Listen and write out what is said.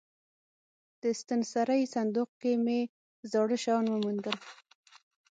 د ستنسرۍ صندوق کې مې زاړه شیان وموندل.